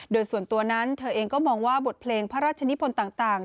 โดยส่วนตัวนั้นเธอเองก็มองว่าบทเพลงพระราชนิพลต่าง